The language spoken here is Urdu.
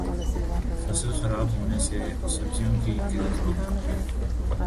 فصل خراب ہونے سے سبزیوں کی قلت ہوگئی